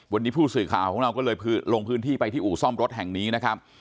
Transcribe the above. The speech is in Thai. วันนี้ผู้สื่อข่าวของเราก็เลยลงพื้นที่ไปที่อู่ซ่อมรถแห่งนี้นะครับ